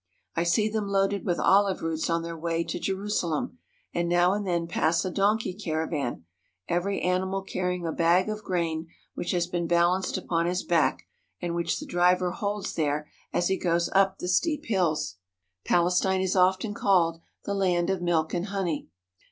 I see them loaded with olive roots on their way to Je rusalem, and now and then pass a donkey caravan, every animal carrying a bag of grain which has been balanced upon his back and which the driver holds there as he goes up the steep hills. Palestine is often called "the land of milk and honey."